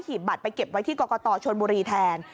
บัตรไปเก็บไว้ที่กรกตชนบุรีแทน